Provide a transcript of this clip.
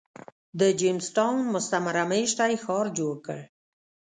د جېمز ټاون مستعمره مېشتی ښار جوړ کړ.